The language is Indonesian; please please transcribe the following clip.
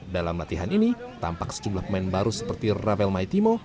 dalam latihan ini tampak sejumlah pemain baru seperti ravel maetimo